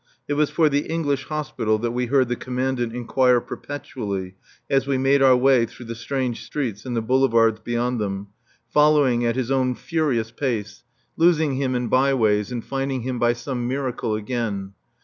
It was for the English Hospital that we heard the Commandant inquire perpetually as we made our way through the strange streets and the boulevards beyond them, following at his own furious pace, losing him in byways and finding him by some miracle again.